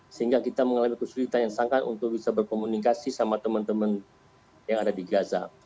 sehingga kita mengalami kesulitan yang sangat untuk bisa berkomunikasi sama teman teman yang ada di gaza